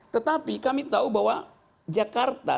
tetapi kami tahu bahwa jakarta